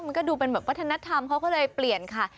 มันก็ดูเป็นแบบวัฒนธรรมเขาก็เลยเปลี่ยนค่ะ